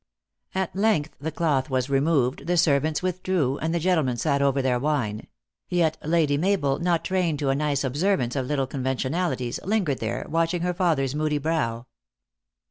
At length the cloth was removed, the ser vants withdrew, and the gentlemen sat over their wine; yet Lady Mabel, not trained to a nice observ ance of little conventionalities, lingered there, watch ing her father s moody brow.